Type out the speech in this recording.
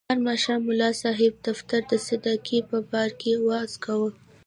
هر ماښام ملا صاحب د فطر د صدقې په باره کې وعظ کاوه.